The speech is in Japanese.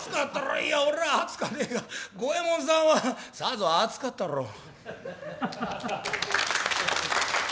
「いや俺は熱かねえが五右衛門さんはさぞ熱かったろう」。